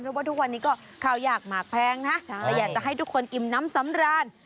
เพราะว่าทุกวันนี้ก็ข้าวยากหมากแพงนะแต่อยากจะให้ทุกคนอิ่มน้ำสำราญ